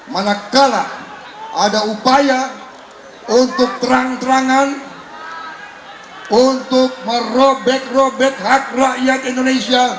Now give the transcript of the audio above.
manakala ada upaya untuk terang terangan untuk merobek robek hak rakyat indonesia